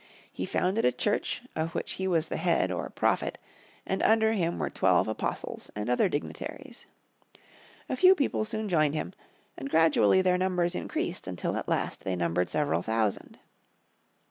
He founded a Church of which he was head or "prophet" and under him were twelve apostles and other dignitaries. A few people soon joined him and gradually their numbers increased until at last they numbered several thousand.